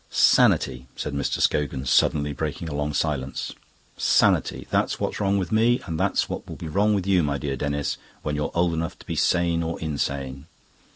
"Sanity!" said Mr. Scogan, suddenly breaking a long silence. "Sanity that's what's wrong with me and that's what will be wrong with you, my dear Denis, when you're old enough to be sane or insane.